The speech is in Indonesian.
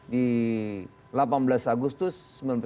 di delapan belas agustus